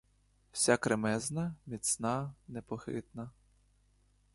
Вся кремезна, міцна, непохитна.